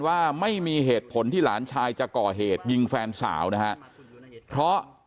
ว่าไม่มีเหตุผลที่หลานชายจะก่อเหตุยิงแฟนสาวนะฮะเพราะ